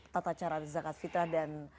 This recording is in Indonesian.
tata cara zakat fitrah dan